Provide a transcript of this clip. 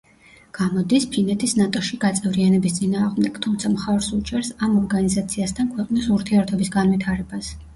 გამოდის ფინეთის ნატოში გაწევრიანების წინააღმდეგ, თუმცა მხარს უჭერს ამ ორგანიზაციასთან ქვეყნის ურთიერთობის განვითარებას.